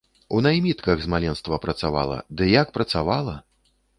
У наймітках з маленства працавала, ды як працавала?!